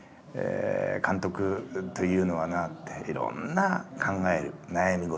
「監督というのはないろんな考える悩み事